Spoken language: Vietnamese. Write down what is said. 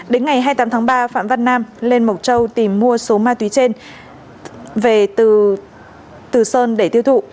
đến ngày hai mươi tám tháng ba phạm văn nam lên mộc châu tìm mua số ma túy trên về từ sơn để tiêu thụ